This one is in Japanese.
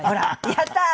やったー！